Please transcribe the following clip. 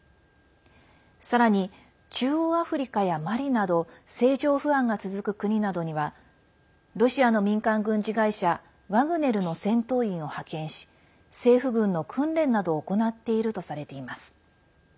さらに中央アフリカやマリなど政情不安が続く国などにはロシアの民間軍事会社ワグネルの戦闘員を派遣し政府軍の訓練などを行っているとされています。